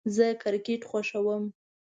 زه کرکټ خوښوم